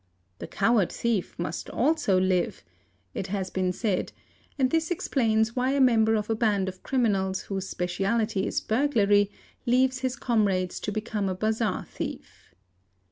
'"'The coward thief must also live', it has been said, and this explains why a member of a band of criminals vhose speciality is burglary leaves his comrades to become a bazaar 704 THEFT thief.